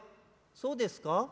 「そうですか？